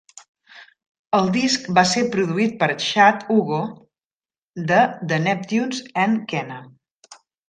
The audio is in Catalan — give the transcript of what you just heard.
El disc va ser produït per Chad Hugo de The Neptunes and Kenna.